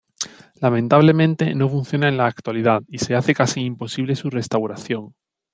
Lamentablemente no funciona en la actualidad y se hace casi imposible su restauración.